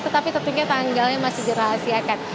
tetapi tentunya tanggalnya masih dirahasiakan